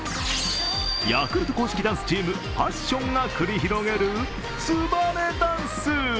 ヤクルト公式ダンスチーム、Ｐａｓｓｉｏｎが繰り広げるつばめダンス。